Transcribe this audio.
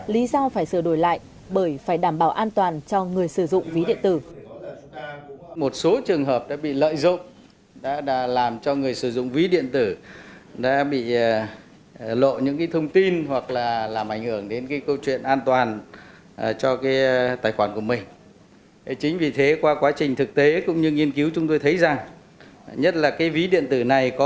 lý do phải sửa đổi lại bởi phải đảm bảo an toàn cho người sử dụng ví điện tử